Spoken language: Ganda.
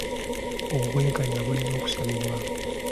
Obwenkanya bulina okusabibwa.